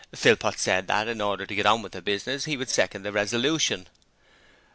Philpot said that, in order to get on with the business, he would second the resolution.